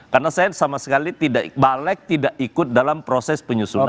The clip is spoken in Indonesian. karena saya sama sekali balek tidak ikut dalam proses penyusunan